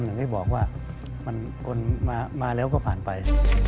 อย่างที่บอกว่าคนมาแล้วก็ผ่านไป